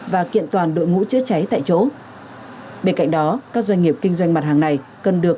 và kiện toàn đội ngũ chữa cháy tại chỗ bên cạnh đó các doanh nghiệp kinh doanh mặt hàng này cần được